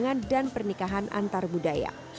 pangan dan pernikahan antar budaya